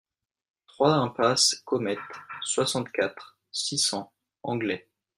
trois impasse Comet, soixante-quatre, six cents, Anglet